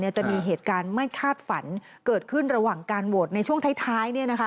จะมีเหตุการณ์ไม่คาดฝันเกิดขึ้นระหว่างการโหวตในช่วงท้าย